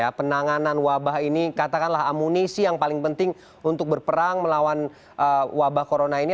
ya penanganan wabah ini katakanlah amunisi yang paling penting untuk berperang melawan wabah corona ini